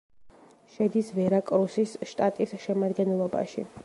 შედის ვერაკრუსის შტატის შემადგენლობაში.